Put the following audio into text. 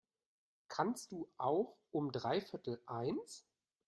Kannst du auch um dreiviertel eins?